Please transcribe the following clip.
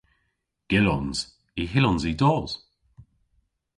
Gyllons. Y hyllons i dos.